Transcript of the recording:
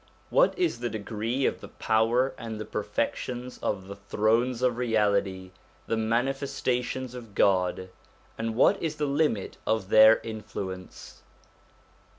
What is the degree of the power and the perfections of the Thrones of Reality, the Manifesta tions of God, and what is the limit , of their influence